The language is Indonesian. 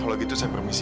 kalau gitu saya permisi